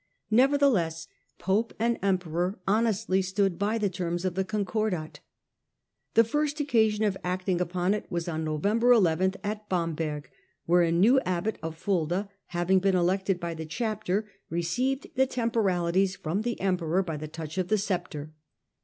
Nevertheless pope and emperor honestly stood by the terms of the Concordat. The first occasion of acting upon it was on November 11 at Bamberg, where a new abbot of Fulda. having been elected by the chapter, received the tempo ralities from the emperor by the touch of the sceptre.